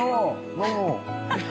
どうも。